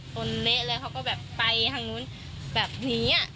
เละเลยเขาก็แบบไปทางนู้นแบบนี้